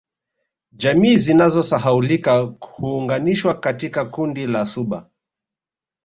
Jamii zinazosahaulika huunganishwa katika kundi la Suba